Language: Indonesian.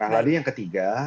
lalu yang ketiga